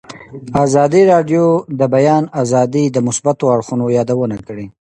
ازادي راډیو د د بیان آزادي د مثبتو اړخونو یادونه کړې.